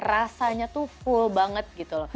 rasanya tuh full banget gitu loh